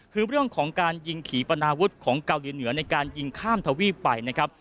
คือเรื่องของการยิงขี่ปนาวุฒิของเกาหลีเหนือในการยิงข้ามทวีปไปนะครับ